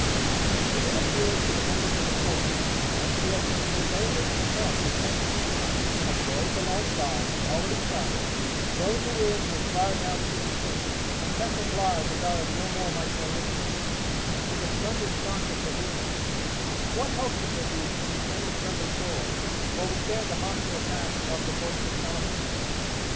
He then appeals to the members of the Court, as to the alternative they would themselves have taken: 'A boat alongside, already crowded; those who were in her crying out she would sink; and Captain Bligh desiring no more might go in with a slender stock of provisions, what hope could there be to reach any friendly shore, or withstand the hostile attacks of the boisterous elements?